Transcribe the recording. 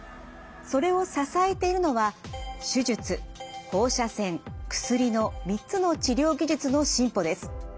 それを支えているのは３つの治療技術の進歩です。